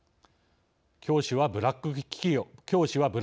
「教師はブラック企業」。